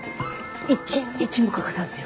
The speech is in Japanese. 一日も欠かさずよ。